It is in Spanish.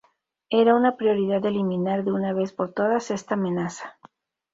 Era una prioridad eliminar de una vez por todas esta amenaza.